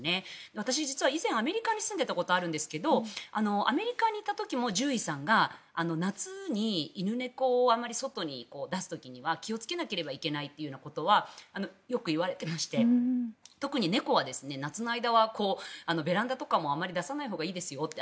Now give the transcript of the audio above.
私、実は以前、アメリカに住んでいたことがあるんですがアメリカにいた時も獣医さんが夏に犬猫を外に出す時には気をつけなければいけないというようなことはよく言われていまして特に猫は夏の間はベランダとかもあまり出さないほうがいいですよって。